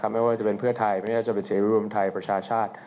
ไม่ว่าจะเป็นเพื่อไทยไม่ว่าจะเป็นเสียงรวมไทยประชาชาติ